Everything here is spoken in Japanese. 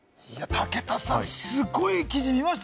武田さん、すごい記事見ました？